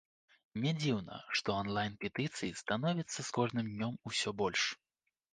Нядзіўна, што анлайн-петыцый становіцца з кожным днём усё больш.